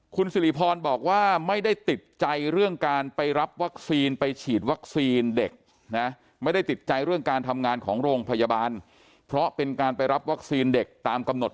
คุณสิริพรบอกว่าไม่ได้ติดใจเรื่องการไปรับวัคซีนไปฉีดวัคซีนเด็กนะไม่ได้ติดใจเรื่องการทำงานของโรงพยาบาลเพราะเป็นการไปรับวัคซีนเด็กตามกำหนด